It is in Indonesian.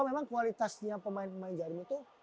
memang kualitasnya pemain pemain jarum itu